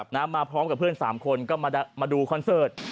มาพร้อมกับเพื่อน๓คนก็มาดูคอนเสิร์ต